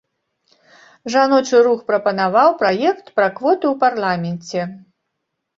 Жаночы рух прапанаваў праект пра квоты ў парламенце.